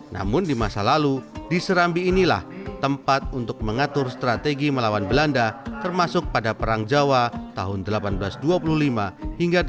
namun di masa lalu diserambi inilah tempat untuk mengatur strategi melawan belanda termasuk pada perang jawa tahun seribu delapan ratus dua puluh lima hingga seribu delapan ratus tiga puluh